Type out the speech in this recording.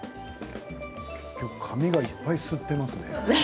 紙がいっぱい吸っていますね。